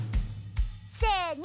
せの！